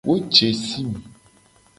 Wo je sim.